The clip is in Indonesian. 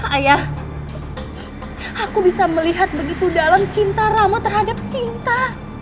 ayah aku bisa melihat begitu dalam cinta ramo terhadap cinta